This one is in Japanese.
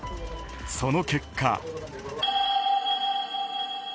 その結果。